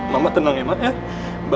mama tenang ya mak